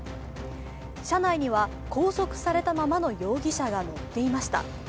車内には、拘束されたままの容疑者が乗っていました。